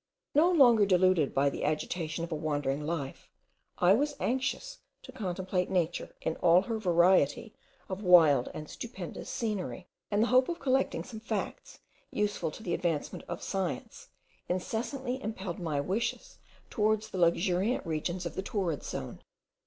No longer deluded by the agitation of a wandering life, I was anxious to contemplate nature in all her variety of wild and stupendous scenery; and the hope of collecting some facts useful to the advancement of science, incessantly impelled my wishes towards the luxuriant regions of the torrid zone.